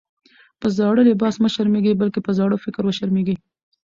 په زاړه لباس مه شرمېږئ! بلکي په زاړه فکر وشرمېږئ.